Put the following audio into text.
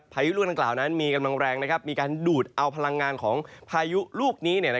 พายุรวดดังกล่าวนั้นมีกำลังแรงมีการดูดเอาพลังงานของพายุลูกนี้